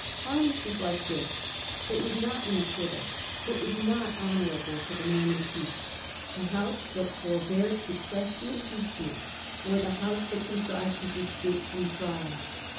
* Harley's was like this : it was not an acquittal ; and it was not honourable to the man impeached, the House that forbore to press the impeachment, or the House that contrived his escape from trial.